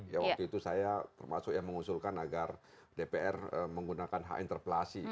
ya waktu itu saya termasuk yang mengusulkan agar dpr menggunakan hak interpelasi